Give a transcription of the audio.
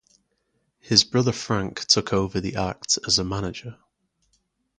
His brother Frank took over the act as a manager.